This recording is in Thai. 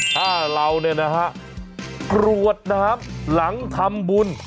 ถ้าเรานะครับกรวดนะครับหลังทำบุญ